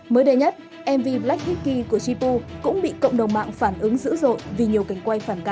mới đây nhất mv black hicky của jpu cũng bị cộng đồng mạng phản ứng dữ dội vì nhiều cảnh quay phản cảm